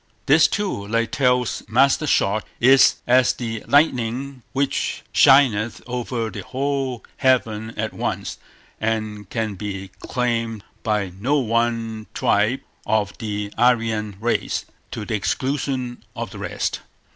This, too, like Tell's master shot, is as the lightning which shineth over the whole heaven at once, and can be claimed by no one tribe of the Aryan race, to the exclusion of the rest.